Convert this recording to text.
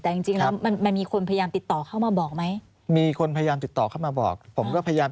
แต่จริงแล้วมันมีคนพยายาม